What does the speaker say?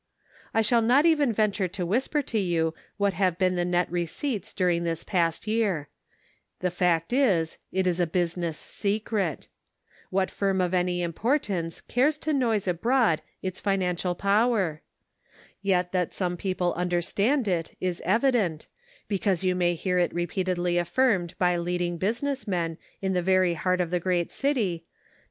I shall not even venture to whisper to you what have been the net receipts during this past year ; the fact is, it is a business secret. What firm of any importance cares to noise abroad its Then and Now. 487 financial power? Yet that some people under stand it is evident, because you may hear it repeatedly affirmed by leading business men in the very heart of the great city, that